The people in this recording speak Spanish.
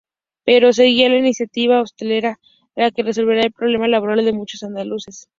Pero sería la iniciativa hostelera la que resolvería el problema laboral de muchos andaluces.